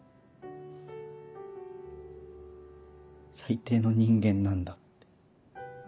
最低の人間なんだって。